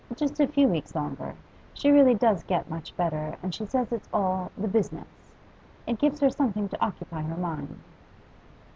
Just a few weeks longer. She really does get much better, and she says it's all "the business." It gives her something to occupy her mind.